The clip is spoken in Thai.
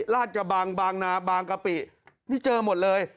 ราชกระบังบางนาบางกะปินี่เจอหมดเลย